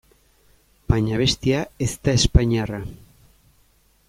Baina abestia ez da espainiarra.